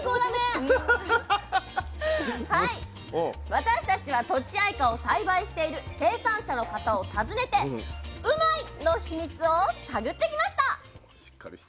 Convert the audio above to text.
私たちはとちあいかを栽培している生産者の方を訪ねてうまいッ！のヒミツを探ってきました。